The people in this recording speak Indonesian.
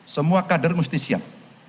semua kader mesti siap